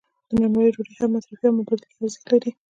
د نانوایی ډوډۍ هم مصرفي او هم مبادلوي ارزښت لري.